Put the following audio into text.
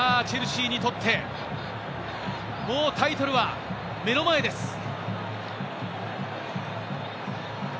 チェルシーにとってもうタイトルは目の前です。